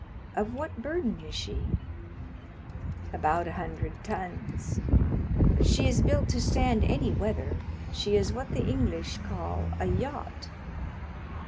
"Of what burden is she?" "About a hundred tons; but she is built to stand any weather. She is what the English call a yacht."